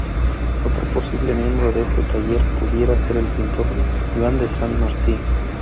Otro posible miembro de este taller pudiera ser el pintor Joan de Sant Martí.